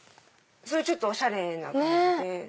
ちょっとおしゃれな感じで。